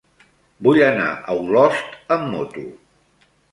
Vull anar a Olost amb moto.